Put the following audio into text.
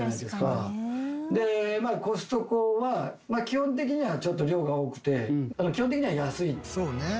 でコストコは基本的にはちょっと量が多くて基本的には安い。